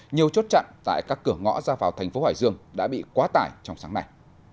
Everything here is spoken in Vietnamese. nhiều chốt chặn tại các cửa ngõ ra vào thành phố hải dương đã bị quá tải trong sáng nay